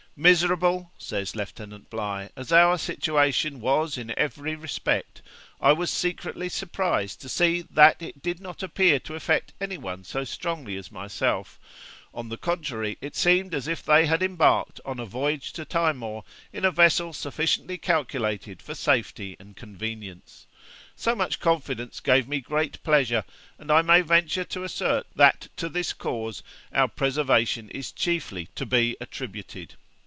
'Miserable,' says Lieutenant Bligh, 'as our situation was in every respect, I was secretly surprised to see that it did not appear to affect any one so strongly as myself; on the contrary, it seemed as if they had embarked on a voyage to Timor in a vessel sufficiently calculated for safety and convenience. So much confidence gave me great pleasure, and I may venture to assert that to this cause our preservation is chiefly to be attributed.